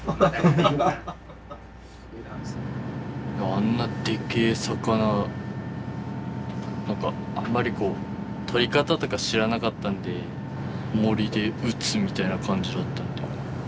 あんなでっけえ魚何かあんまりこう獲り方とか知らなかったんで銛で撃つみたいな感じだったんで。